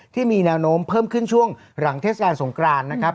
ที่มีแนวโน้มเพิ่มขึ้นช่วงหลังเทศกาลสงกรานนะครับ